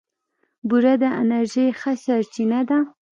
بوره د انرژۍ ښه سرچینه ده.